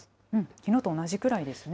きのうと同じくらいですね。